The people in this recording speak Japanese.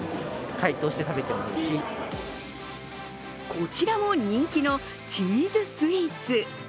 こちらも人気のチーズスイーツ。